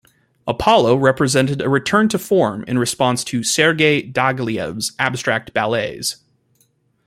"Apollo" represented a return to form in response to Sergei Diaghilev's abstract ballets.